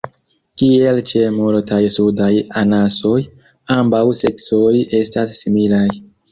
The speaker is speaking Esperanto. Kiel ĉe multaj sudaj anasoj, ambaŭ seksoj estas similaj.